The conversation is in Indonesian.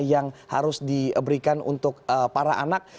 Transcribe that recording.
yang harus diberikan untuk para anak